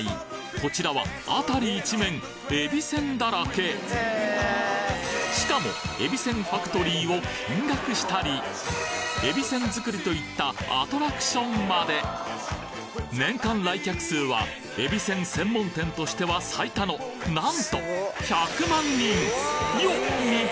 こちらは辺り一面えびせんだらけしかもえびせんファクトリーを見学したりえびせん作りといったアトラクションまで年間来客数はえびせん専門店としては最多のなんとよっ！